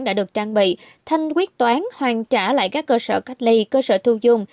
đã được trang bị thanh quyết toán hoàn trả lại các cơ sở cách ly cơ sở thu dung